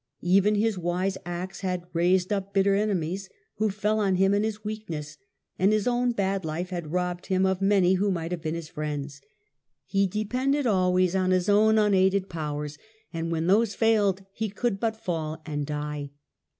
Even his wise acts had raised up bitter enemies, who fell on him in his weakness; and his own bad life had robbed him of many who might have been his friends. He depended always on his own xmaided powers, and when those failed he could but fall and die.